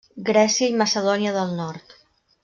Grècia i Macedònia del Nord.